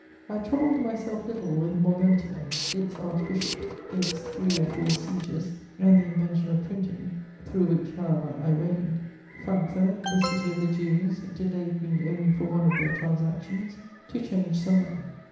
I troubled myself little with "Moguntia," its archbishop, its three or four sieges, and the invention of printing, through which however I reigned. Frankfort, the city of the Jews, delayed me only for one of their transactions: to change some money.